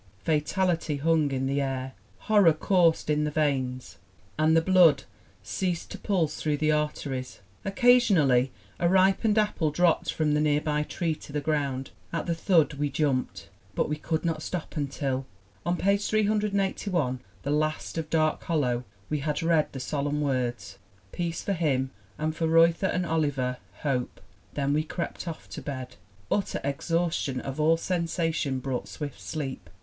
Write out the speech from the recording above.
Fatality hung in the air. Horror coursed in the veins and the blood ceased to pulse through the arteries. Occasionally a ripened apple dropped from the nearby tree to the ground. At the thud we jumped. But we could not stop until, on page 381, the last of Dark Hollow, we had read the solemn words : "Peace for him; and for Reuther and Oliver, hope!" Then we crept off to bed. Utter exhaustion of all sensation brought swift sleep.